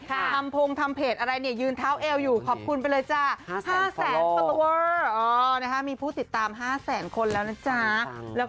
ทำพงทำเพจอะไรยืนเท้าเอลอยู่ขอบคุณไปเลยจ้า